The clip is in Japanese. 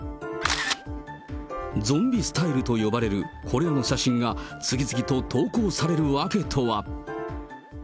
ゾンビスタイルと呼ばれるこれらの写真が、次々と投稿される訳とは。